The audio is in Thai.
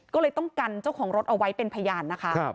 ก็เลยต้องกันเจ้าของรถเอาไว้เป็นพยานนะคะ